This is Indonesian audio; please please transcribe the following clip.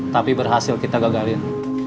tapi berhasil kita gagalin